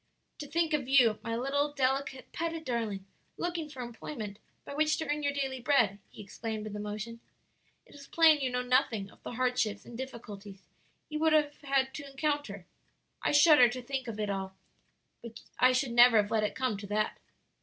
"To think of you, my little, delicate, petted darling, looking for employment by which to earn your daily bread!" he exclaimed with emotion. "It is plain you know nothing of the hardships and difficulties you would have had to encounter. I shudder to think of it all. But I should never have let it come to that."